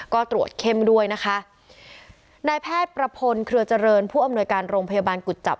ก็ตรวจเข้มด้วยนะคะนายแพทย์ประพลเครือเจริญผู้อำนวยการโรงพยาบาลกุจจับ